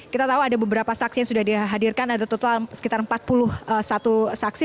kita tahu ada beberapa saksi yang sudah dihadirkan ada total sekitar empat puluh satu saksi